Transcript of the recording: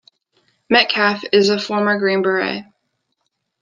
Metcalf is a former Green Beret.